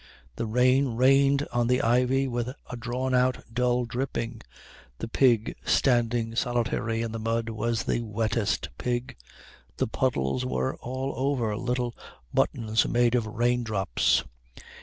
The rain rained on the ivy with a drawn out dull dripping. The pig standing solitary in the mud was the wettest pig. The puddles were all over little buttons made of raindrops.